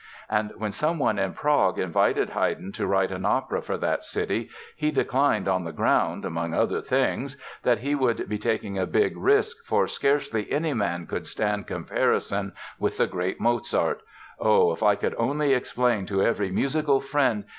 And when someone in Prague invited Haydn to write an opera for that city he declined on the ground—among other things—that he "would be taking a big risk, for scarcely any man could stand comparison with the great Mozart. Oh, if I could only explain to every musical friend